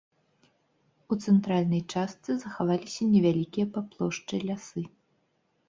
У цэнтральнай частцы захаваліся невялікія па плошчы лясы.